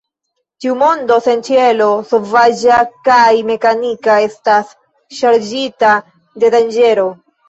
Tiu mondo sen ĉielo, sovaĝa kaj mekanika, estas ŝarĝita de danĝero.